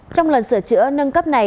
trong lần sửa chữa nâng cấp này